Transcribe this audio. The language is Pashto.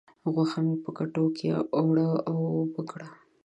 غوښه مې په کټو کې اوړه و اوبه کړه.